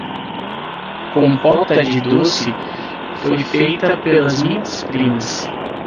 A compota de doce foi feita pelas minhas primas